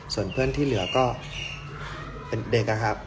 ส่วนเพื่อนที่เหลือก็เป็นเด็กนะครับ